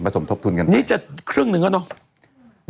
สมทบทุนกันนี่จะครึ่งหนึ่งแล้วเนอะ